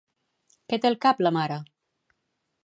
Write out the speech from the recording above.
Què té al cap la mare?